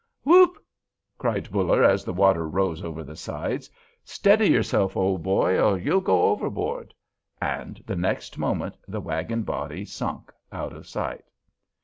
"Whoop!" cried Buller, as the water rose over the sides. "Steady yourself, old boy, or you'll go overboard!" And the next moment the wagon body sunk out of sight.